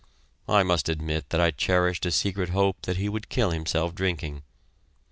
I must admit that I cherished a secret hope that he would kill himself drinking.